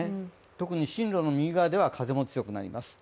特に進路の右側では風も強くなります。